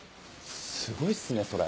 すごいっすねそれ。